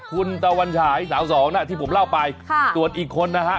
คุณตวัญฉายสาวสองนะที่ผมเล่าไปตรวจอีกคนนะฮะ